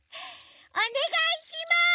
おねがいします！